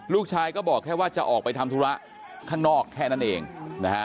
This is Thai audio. ลูกชายก็บอกแค่ว่าจะออกไปทำธุระข้างนอกแค่นั้นเองนะฮะ